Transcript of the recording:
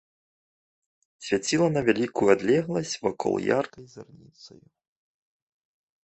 Свяціла на вялікую адлегласць вакол яркай зарніцаю.